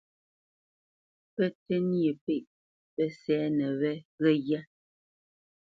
Pə́ tə́ nyê pêʼ pə́ sɛ́nə wé ghə́ghyá.